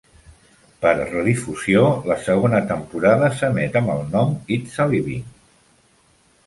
Per redifusió, la segona temporada s'emet amb el nom "It's a Living".